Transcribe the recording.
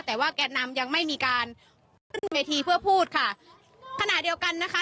แต่ว่าแก่นำยังไม่มีการขึ้นเวทีเพื่อพูดค่ะขณะเดียวกันนะคะ